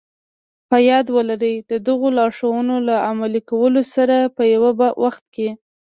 په ياد ولرئ د دغو لارښوونو له عملي کولو سره په يوه وخت کې.